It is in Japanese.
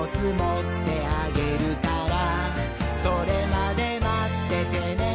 「それまでまっててねー！」